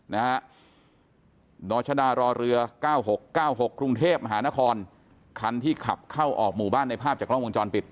ดรชดารอเรือ๙๖๙๖กรุงเทพมหานครคันที่ขับเข้าออกหมู่บ้านในภาพจากกล้องวงจรปิด